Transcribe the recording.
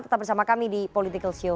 tetap bersama kami di political show